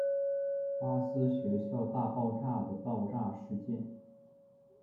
巴斯学校大爆炸的爆炸事件。